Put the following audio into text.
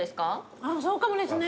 あっそうかもですね。